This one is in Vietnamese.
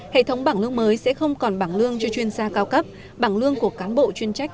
hệ thống bảng lương mới sẽ không còn bảng lương cho chuyên gia cao cấp bảng lương của cán bộ chuyên trách